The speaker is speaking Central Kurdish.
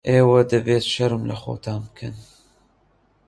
ئێوە دەبێت شەرم لە خۆتان بکەن.